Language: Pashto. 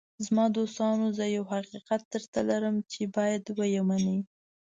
“زما دوستانو، زه یو حقیقت درته لرم چې باید یې ومنئ.